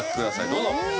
どうぞ。